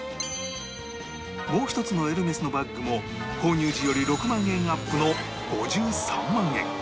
もう一つのエルメスのバッグも購入時より６万円アップの５３万円